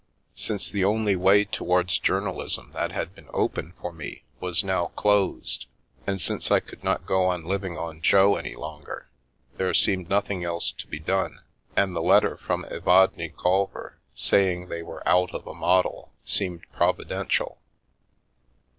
Since the only way towards journalism that had been open for me was now closed, and since I could not go on living on Jo any longer, there seemed nothing else to be done, and the letter from Evadne Culver saying they were " out " of a model seemed providential.